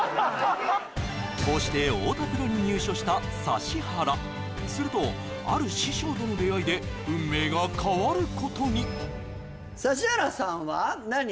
こうして太田プロに入所した指原するとある師匠との出会いで運命が変わることに指原さんは何？